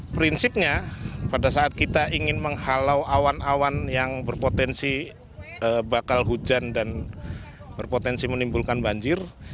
prinsipnya pada saat kita ingin menghalau awan awan yang berpotensi bakal hujan dan berpotensi menimbulkan banjir